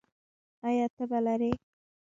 ایا تبه لرئ؟